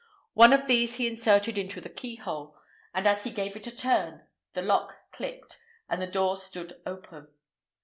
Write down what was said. One of these he inserted into the keyhole, and as he gave it a turn, the lock clicked, and the door stood open.